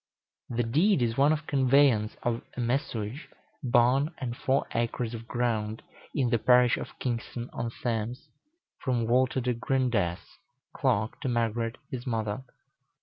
The deed is one of conveyance of a messuage, barn, and four acres of ground, in the parish of Kingston on Thames, from Walter de Grendesse, clerk, to Margaret his mother.